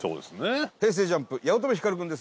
ＪＵＭＰ八乙女光君です。